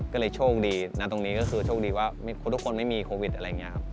ก็เลยโชคดีนะตรงนี้ก็คือโชคดีว่าทุกคนไม่มีโควิดอะไรอย่างนี้ครับ